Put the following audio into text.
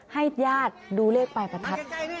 ญาติดูเลขปลายประทัด